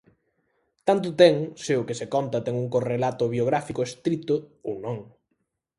Tanto ten se o que se conta ten un correlato biográfico estrito ou non.